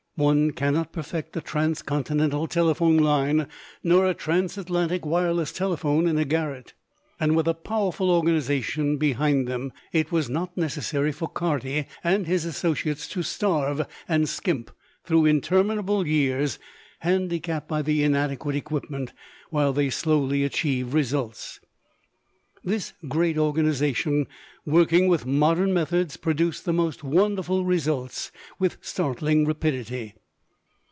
One cannot perfect a transcontinental telephone line nor a transatlantic wireless telephone in a garret. And with a powerful organization behind them it was not necessary for Carty and his associates to starve and skimp through interminable years, handicapped by the inadequate equipment, while they slowly achieved results. This great organization, working with modern methods, produced the most wonderful results with startling rapidity.